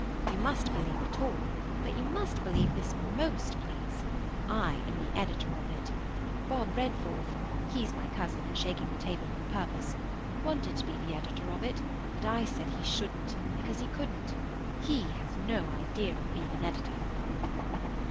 You must believe it all; but you must believe this most, please. I am the editor of it. Bob Redforth (he's my cousin, and shaking the table on purpose) wanted to be the editor of it; but I said he shouldn't because he couldn't. He has no idea of being an editor.